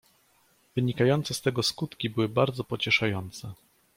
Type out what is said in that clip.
"Wynikające z tego skutki były bardzo pocieszające."